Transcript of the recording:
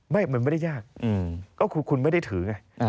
ไม่มันไม่ได้ยากก็คือคุณไม่ได้ถือไง